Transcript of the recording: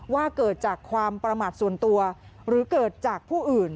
ว่าเกิดจากความประมาทส่วนตัวหรือเกิดจากผู้อื่น